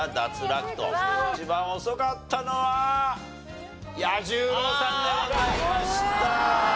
一番遅かったのは彌十郎さんでございました。